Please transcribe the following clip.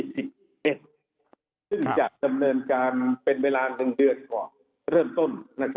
ซึ่งจะดำเนินการเป็นเวลา๑เดือนก่อนเริ่มต้น